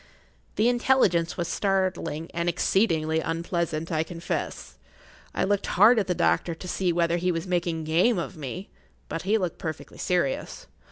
The intelligence was startling and exceedingly unpleasant, I confess. I looked hard at the doctor to see whether he was making game of me, but he looked perfectly serious.